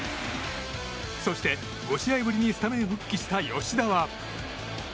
そして、５試合ぶりにスタメン復帰した吉田は。